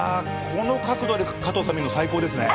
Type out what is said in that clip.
この角度で加藤さん見るの最高ですね。